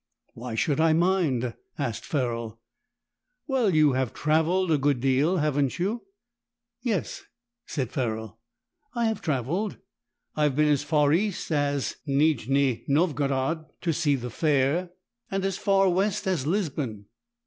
"Why should I mind?" asked Ferrol. "Well, you have travelled a good deal, haven't you?" "Yes," said Ferrol, "I have travelled; I have been as far east as Nijni Novgorod to see the Fair, and as far west as Lisbon."